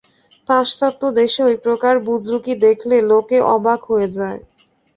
পাশ্চাত্য দেশে ঐ প্রকার বুজরুকি দেখলে লোকে অবাক হয়ে যায়।